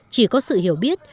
chỉ có sự hiểu biết